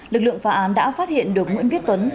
lực lượng phá án đã phát hiện được nguyễn viết tuấn